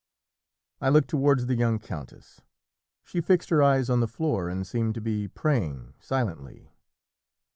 I looked towards the young countess; she fixed her eyes on the floor, and seemed to be praying silently.